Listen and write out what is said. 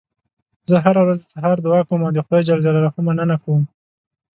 زه هره ورځ د سهار دعا کوم او د خدای ج مننه کوم